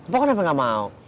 pok kenapa gak mau